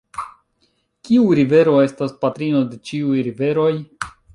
Kiu rivero estas patrino de ĉiuj riveroj?